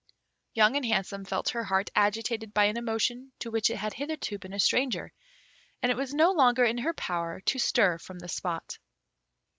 Young and Handsome felt her heart agitated by an emotion to which it had hitherto been a stranger, and it was no longer in her power to stir from the spot.